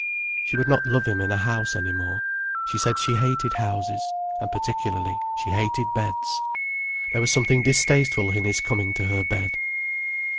She would not love him in a house any more. She said she hated houses, and particularly she hated beds. There was something distasteful in his coming to her bed.